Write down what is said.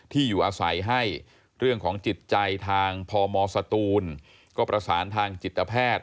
ที่อยู่อาศัยให้เรื่องของจิตใจทางพมสตูนก็ประสานทางจิตแพทย์